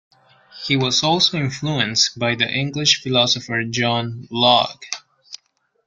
He was also influenced by the English philosopher John Locke.